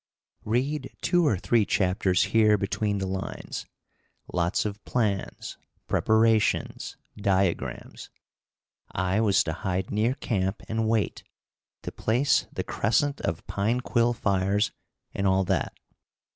Read two or three chapters here between the lines lots of plans, preparations, diagrams. I was to hide near camp and wait to place the crescent of pine quill fires and all that.